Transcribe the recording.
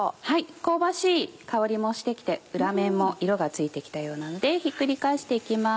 香ばしい香りもして来て裏面も色がついて来たようなのでひっくり返して行きます。